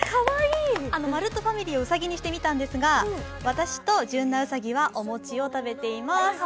まるっとファミリーをうさぎにしてみたんですが、私と純菜うさぎはお餅を食べています。